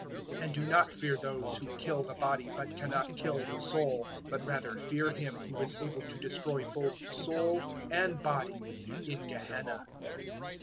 010:028 "And do not fear those who kill the body, but cannot kill the soul; but rather fear him who is able to destroy both soul and body in Gehenna.